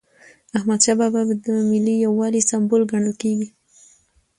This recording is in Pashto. احمدشاه بابا د ملي یووالي سمبول ګڼل کېږي.